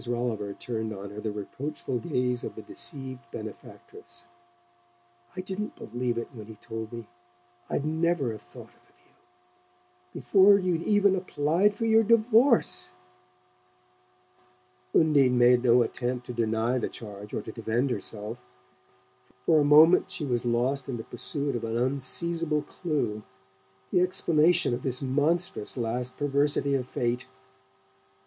Rolliver turned on her the reproachful gaze of the deceived benefactress. "I didn't believe it when he told me; I'd never have thought it of you. Before you'd even applied for your divorce!" Undine made no attempt to deny the charge or to defend herself. For a moment she was lost in the pursuit of an unseizable clue the explanation of this monstrous last perversity of fate.